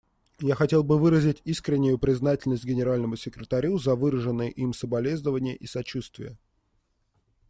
Я хотел бы выразить искреннюю признательность Генеральному секретарю за выраженные им соболезнования и сочувствие.